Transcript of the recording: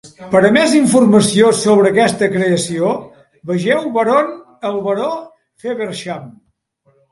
Per a més informació sobre aquesta creació, vegeu Baron el baró Feversham.